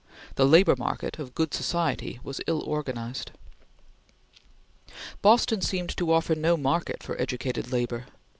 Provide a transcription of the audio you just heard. The labor market of good society was ill organized. Boston seemed to offer no market for educated labor.